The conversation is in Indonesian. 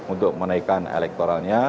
untuk menaikkan elektoralnya